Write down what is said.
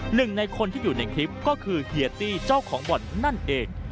หนึ่งในคนที่อยู่ในคลิปก็คือเฮียตี้เจ้าของบ่อนนั่นเอง